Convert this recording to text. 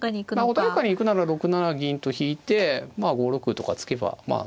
穏やかに行くなら６七銀と引いて５六とか突けばまあ